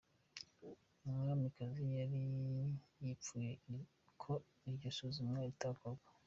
Umwamikazi yari yifuje ko iryo suzumwa ritakorwa.